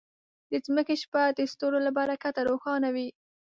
د ځمکې شپه د ستورو له برکته روښانه وي.